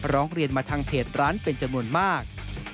ร้องเรียนมาทางเพจร้านเป็นจำนวนมาก